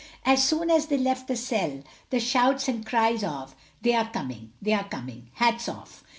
As soon as they left the cell the shouts and cries of "They are coming," "They are coming," "Hats off."